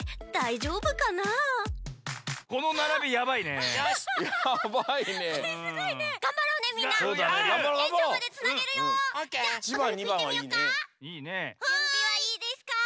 じゅんびはいいですか？